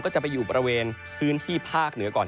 ก็จะไปอยู่บริเวณพื้นที่ภาคเหนือก่อน